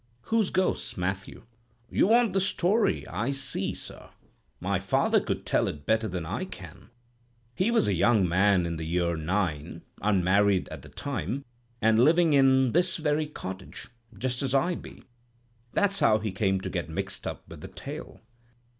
"Whose ghosts, Matthew?" "You want the story, I see, sir. My father could tell it better than I can. He was a young man in the year 'nine, unmarried at the time, and living in this very cottage, just as I be. That's how he came to get mixed up with the tale."